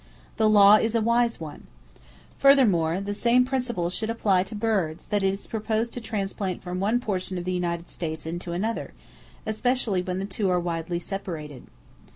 The law is a wise one. Furthermore, the same principle should apply to birds that it is proposed to transplant from one portion of the United States into another, especially when the two are widely separated.